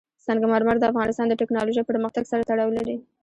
سنگ مرمر د افغانستان د تکنالوژۍ پرمختګ سره تړاو لري.